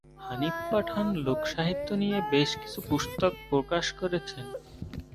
হানিফ পাঠান লোকসাহিত্য নিয়ে বেশ কিছু পুস্তক প্রকাশ করেছেন।